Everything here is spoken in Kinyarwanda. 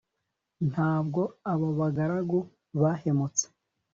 Ntabwo aba bagaragu bahemutse